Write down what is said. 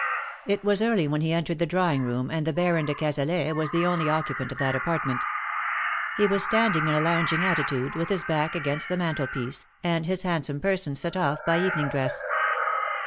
It was early when he entered the drawing room, and the Baron de Cazalet was the only occupant of' that apartment. He was standing in a lounging attitude, with his back against the mantelpiece, and his handsome person set off by evening dress.